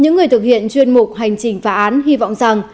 những người thực hiện chuyên mục hành trình phá án hy vọng rằng